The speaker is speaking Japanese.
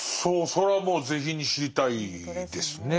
それはもう是非に知りたいですね。